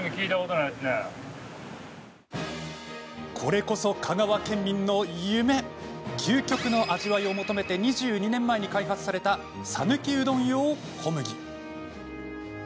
これこそ香川県民の夢究極の味わいを求めて２２年前に開発された讃岐うどん用小麦。